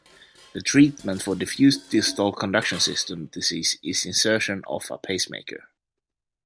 The treatment for diffuse distal conduction system disease is insertion of a pacemaker.